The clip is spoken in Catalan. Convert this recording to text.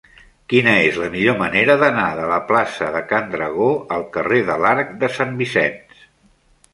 Quina és la millor manera d'anar de la plaça de Can Dragó al carrer de l'Arc de Sant Vicenç?